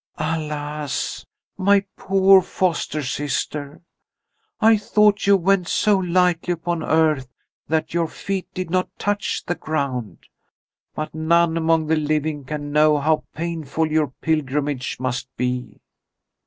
"Alas, my poor foster sister, I thought you went so lightly upon earth that your feet did not touch the ground. But none among the living can know how painful your pilgrimage must be."